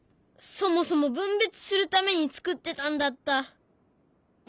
そもそも分別するために作ってたんだった。